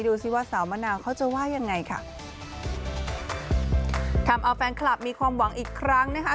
ดูสิว่าสาวมะนาวเขาจะว่ายังไงค่ะทำเอาแฟนคลับมีความหวังอีกครั้งนะคะ